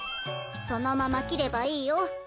そのまま切ればいいお。